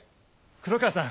黒川さん